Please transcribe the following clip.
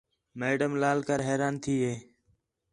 میڈم لال کر حیران تھی ہے